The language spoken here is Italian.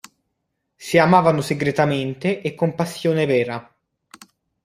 Si amavano segretamente e con passione vera.